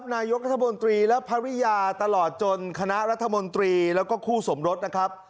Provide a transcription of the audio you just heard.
นายกรัฐมนตรีและภรรยาตลอดจนคณะรัฐมนตรีแล้วก็คู่สมรสนะครับ